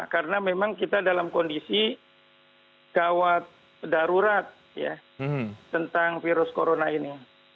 karena memang kita dalam kondisi gawat darurat ya tentang virus corona ini